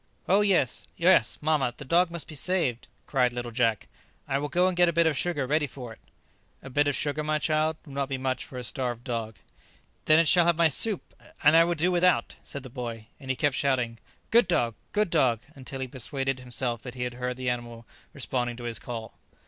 "Oh, yes, yes, mamma, the dog must be saved!" cried little Jack; "I will go and get a bit of sugar ready for it." [Illustration: Negoro had approached without being noticed by any one] "A bit of sugar, my child, will not be much for a starved dog." "Then it shall have my soup, and I will do without," said the boy, and he kept shouting, "Good dog! good dog!" until he persuaded himself that he heard the animal responding to his call.